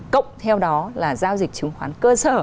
cộng theo đó là giao dịch chứng khoán cơ sở